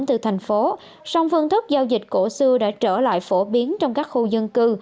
từ thành phố song phương thức giao dịch cổ xưa đã trở lại phổ biến trong các khu dân cư